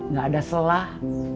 gak ada salah